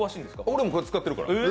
俺もこれ使ってるから。